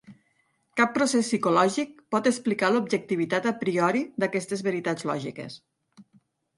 Cap procés psicològic pot explicar l'objectivitat a priori d'aquestes veritats lògiques.